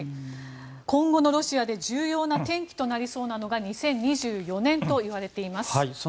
今後のロシアで重要な転機となりそうなのが２０２４年といわれています。